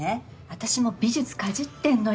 私も美術かじってんのよ。